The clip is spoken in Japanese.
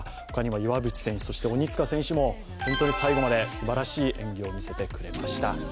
他にも岩渕選手、そして鬼塚選手も、本当に最後まですばらしい演技を見せてくれました。